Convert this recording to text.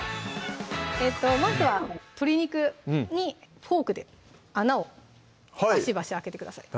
まずは鶏肉にフォークで穴をバシバシ開けてください